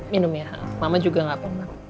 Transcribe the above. minum ya mama juga gak pengen